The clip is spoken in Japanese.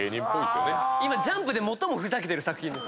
今『ジャンプ』で最もふざけてる作品です。